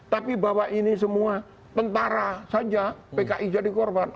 tapi bahwa ini semua tentara saja pki jadi korban